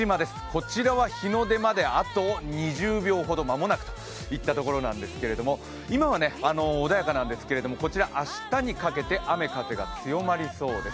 こちらは日の出まであと２０秒ほど、間もなくといったところなんですけれども、今は穏やかなんですけれども、こちら明日にかけて雨・風が強まりそうです。